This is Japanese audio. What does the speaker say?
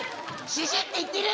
シュシュッていってる？